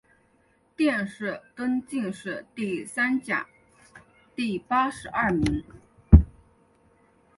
殿试登进士第三甲第八十二名。